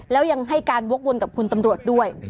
แล้วยังให้การวกวนกับคุณตำรวจด้วย